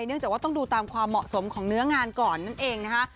เนื่องจากว่าต้องดูตามความเหมาะสมของเนื้องานก่อนนั่นเองนะคะ